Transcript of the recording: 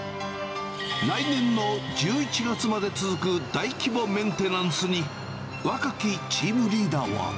来年の１１月まで続く大規模メンテナンスに、若きチームリーダーは。